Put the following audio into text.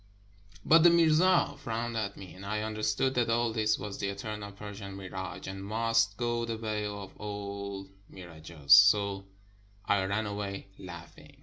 But the mirza frowned at me, and I understood that all this was the Eternal Persian Mirage, and must go the way of all mirages. ... So I ran away laughing.